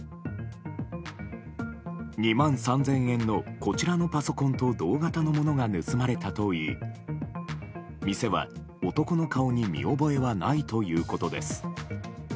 ２万３０００円のこちらのパソコンと同型のものが盗まれたといい店は男の顔に見覚えはないということです。